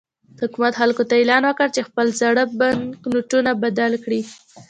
حکومت خلکو ته اعلان وکړ چې خپل زاړه بانکنوټونه بدل کړي.